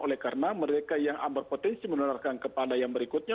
oleh karena mereka yang berpotensi menularkan kepada yang berikutnya